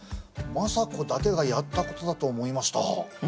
政子だけがやったことだと思いました。